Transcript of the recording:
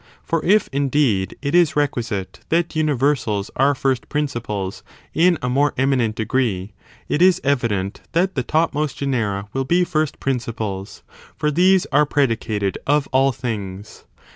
For if, indeed, it is requisite that universals are first principles in a more eminent degree, it is evident that the topmost genera will be first principles ; for these are pre dicated of all things.